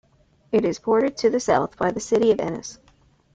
It is bordered to the south by the city of Ennis.